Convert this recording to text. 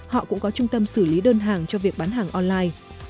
họ cũng có trung tâm xử lý đơn hàng cho việc bán hàng online